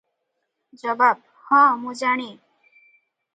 ଜବାବ - ହଁ, ମୁଁ ଜାଣେ ।